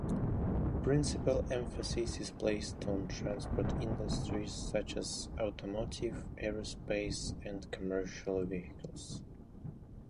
Principal emphasis is placed on transport industries such as automotive, aerospace, and commercial vehicles.